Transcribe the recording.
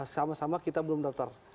sama sama kita belum daftar